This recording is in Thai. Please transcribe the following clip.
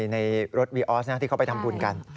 ในรถวีออสที่เขาไปทำบุญกัน